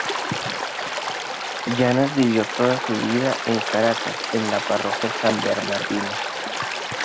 Yanes vivió toda su vida en Caracas en la Parroquia San Bernardino.